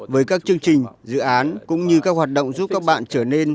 với các chương trình dự án cũng như các hoạt động giúp các bạn trở nên mạnh mẽ hơn